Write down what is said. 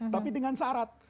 tapi dengan syarat